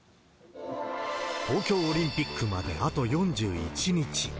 東京オリンピックまであと４１日。